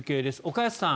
岡安さん。